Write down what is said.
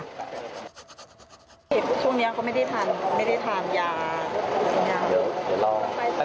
ช่วงนี้ก็ไม่ได้ทานไม่ได้ทานยา